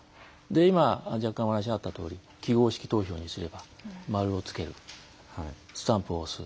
今若干お話があったとおり記号式投票にすれば丸をつけるスタンプを押す。